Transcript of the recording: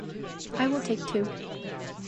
I will take two.